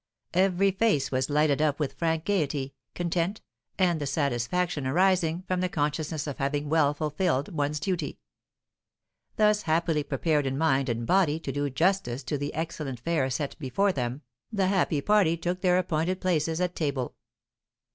Every face was lighted up with frank gaiety, content, and the satisfaction arising from the consciousness of having well fulfilled one's duty. Thus happily prepared in mind and body to do justice to the excellent fare set before them, the happy party took their appointed places at table.